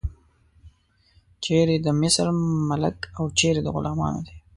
چیرې د مصر ملک او چیرې د غلامانو دی.